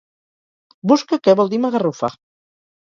Busca què vol dir magarrufa.